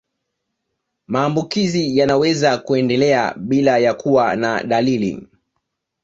Maambukizi yanaweza kuendelea bila ya kuwa na dalili